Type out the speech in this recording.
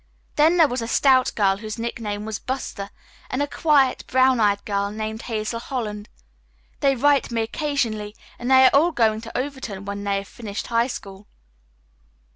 Then there was a stout girl whose nickname was 'Buster,' and a quiet, brown eyed girl named Hazel Holland. They write to me occasionally and they are all going to Overton when they have finished high school."